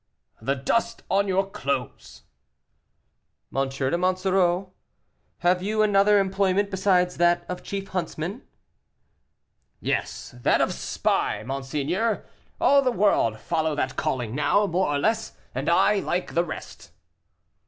"The dust on your clothes." "M. de Monsoreau, have you another employment besides that of chief huntsman?" "Yes, that of spy, monseigneur; all the world follow that calling now, more or less, and I, like the rest."